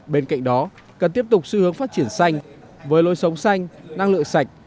bên cạnh đó cần tiếp tục xu hướng phát triển xanh với lối sống xanh năng lượng sạch